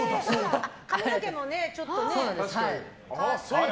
髪の毛もちょっとね、変えてね。